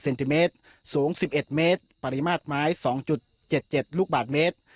เซนติเมตรสูงสิบเอ็ดเมตรปริมาตรไม้สองจุดเจ็ดเจ็ดลูกบาทเมตร